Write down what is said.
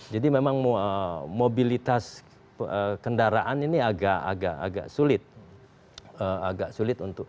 jadi memang mobilitas kendaraan ini agak sulit